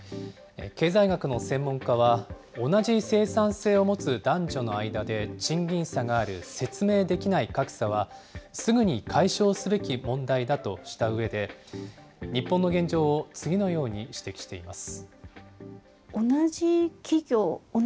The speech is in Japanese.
経済学の専門家は、同じ生産性を持つ男女の間で賃金差がある説明できない格差は、すぐに解消すべき問題だとしたうえで、日本の現状を次のように指摘しています。